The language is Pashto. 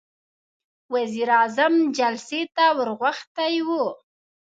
وزير اعظم جلسې ته ور غوښتی و.